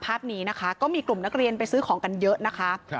ภาพนี้นะคะก็มีกลุ่มนักเรียนไปซื้อของกันเยอะนะคะ